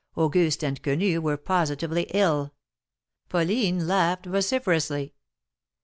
Auguste and Quenu were positively ill. Pauline laughed vociferously.